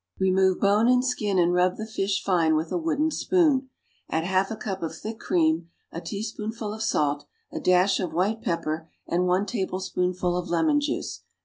Remove bone and skin and rub the fish fine with a wooden spoon; add half a cup of thick cream, a teaspoonful of salt, a dash of white pepper and one tablespoonful of lemon juice.